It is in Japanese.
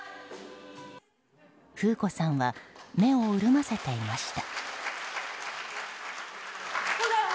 楓子さんは目を潤ませていました。